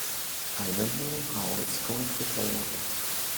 I don't know how it's going to play out.